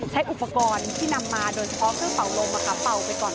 ใช้อุปกรณ์ที่นำมาโดยเฉพาะเครื่องเป่าลมเป่าไปก่อน